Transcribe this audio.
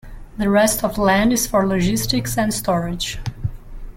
The rest of land is for logistics and storage.